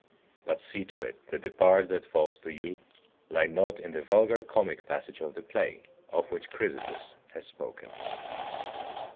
But see to it that the part that falls to you lie not in the vulgar comic passage of the play, of which Chrysippus has spoken.